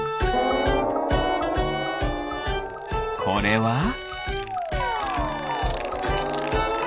これは？